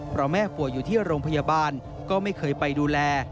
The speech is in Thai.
เพราะแม่ป่วยอยู่ที่โรงพยาบาลก็ไม่เคยไปดูแล